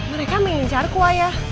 mereka mengincarku ayah